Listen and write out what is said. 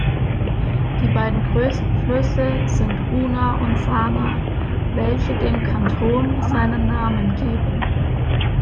Die beiden größten Flüsse sind Una und Sana, welche dem Kanton seinen Namen geben.